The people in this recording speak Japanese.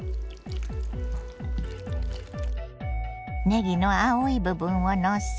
ねぎの青い部分をのせ。